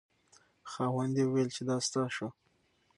خاوند یې وویل چې دا ستا شو.